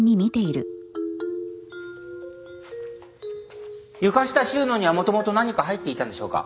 床下収納には元々何か入っていたんでしょうか？